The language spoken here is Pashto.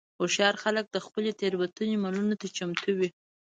هوښیار خلک د خپلې تېروتنې منلو ته چمتو وي.